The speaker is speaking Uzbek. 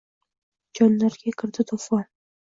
Jonlarga kirdi to‘fon: